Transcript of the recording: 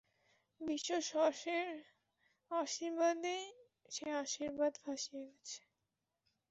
বিশ্বেশ্বরের আশীর্বাদে সে আশীর্বাদ ফাঁসিয়া গেছে।